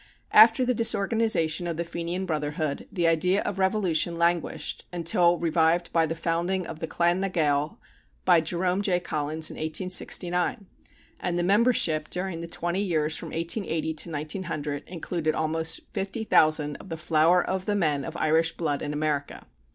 After the disorganization of the Fenian Brotherhood, the idea of revolution languished until revived by the founding of the Clan na Gael by Jerome J. Collins in 1869, and the membership during the twenty years from 1880 to 1900 included almost fifty thousand of the flower of the men of Irish blood in America.